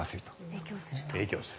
影響する。